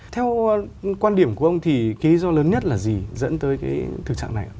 theo quan điểm của ông thì cái do lớn nhất là gì dẫn tới cái thực trạng này